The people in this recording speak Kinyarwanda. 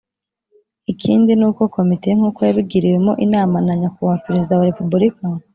Ikindi ni uko Komite, nk'uko yabigiriwemo inama na Nyakubahwa Perezida wa Repubulika,